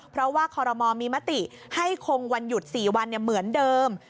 เพราะว่าคอรมอลมีมติให้คงวันหยุด๔วันเหมือนเดิม